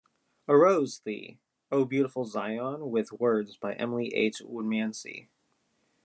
Arose Thee, O Beautiful Zion, with words by Emily H. Woodmansee.